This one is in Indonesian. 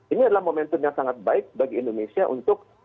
ini adalah momentum yang sangat baik bagi indonesia untuk